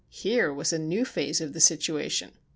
Here was a new phase of the situation.